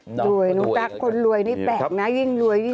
หนูตั๊กคนรวยนี่แปลกนะยิ่งรวยยิ่งดี